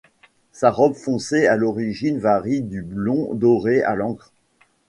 Sa robe foncée à l'origine varie du blond doré à l'ambre.